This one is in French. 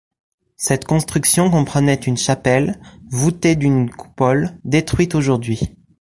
Cette construction comprenait une chapelle voûtée d'une coupole, détruite aujourd'hui.